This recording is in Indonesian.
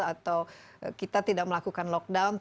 atau kita tidak melakukan lockdown